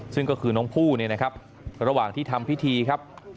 ซึ่งก็คือน้องผู้นั้นระหว่างที่ทำพิธีครับ